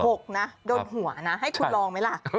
โดนหัวนะให้คุณลองไหมล่ะ